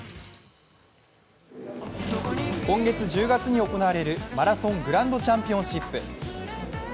今年１０月に行われるマラソングランドチャンピオンシップ。